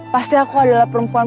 pasti aku adalah perempuan